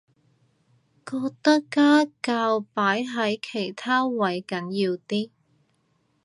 覺得家教擺喺其他位緊要啲